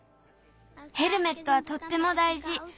ヘルメットはとっても大じ。